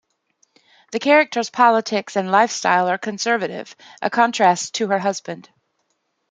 The character's politics and lifestyle are conservative, a contrast to her husband.